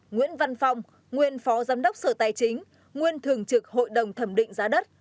một nguyễn văn phong nguyên phó giám đốc sở tài chính nguyên thường trực hội đồng thẩm định giá đất